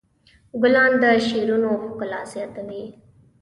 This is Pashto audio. ګلان د شعرونو ښکلا زیاتوي.